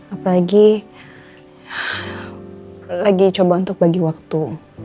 apalagi lagi coba untuk bagi waktu